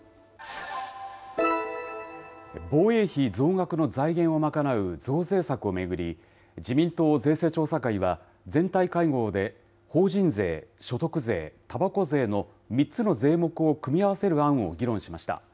防衛費増額の財源を賄う増税策を巡り、自民党税制調査会は、全体会合で法人税、所得税、たばこ税の３つの税目を組み合わせる案を議論しました。